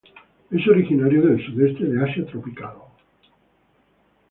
Es originario del sudeste de Asia tropical.